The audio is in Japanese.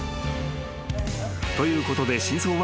ということで真相は］